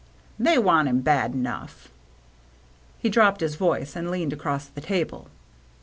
" They want him bad enough." He dropped his voice, and leaned across the table.